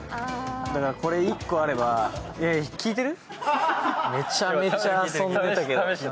だから、これ１個あれば聞いてる？